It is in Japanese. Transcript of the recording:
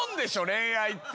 恋愛って。